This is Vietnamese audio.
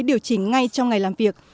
điều chỉnh ngay trong ngày làm việc